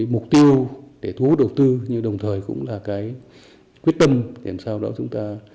mục tiêu để thu hút đầu tư nhưng đồng thời cũng là cái quyết tâm để làm sao đó chúng ta